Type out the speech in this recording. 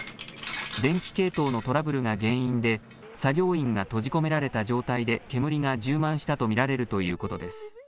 電気系統のトラブルが原因で作業員が閉じ込められた状態で煙が充満したと見られるということです。